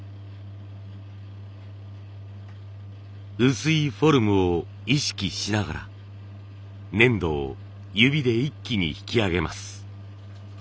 薄いフォルムを意識しながら粘土を指で一気に引き上げます。